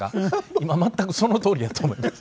今全くそのとおりやと思います。